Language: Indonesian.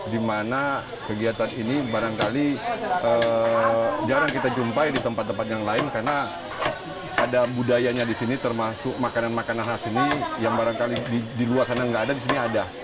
di mana kegiatan ini barangkali jarang kita jumpai di tempat tempat yang lain karena ada budayanya di sini termasuk makanan makanan khas ini yang barangkali di luar sana nggak ada di sini ada